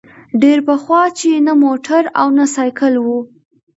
ډېر پخوا چي نه موټر او نه سایکل وو